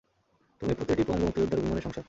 তুমি প্রতিটি পঙ্গু মুক্তিযোদ্ধার অভিমানের সংসার।